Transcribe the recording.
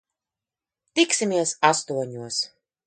Tiksimies astoņos.